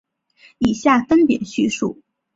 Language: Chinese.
以下分别叙述。